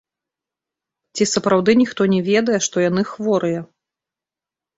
Ці сапраўды ніхто не ведае, што яны хворыя?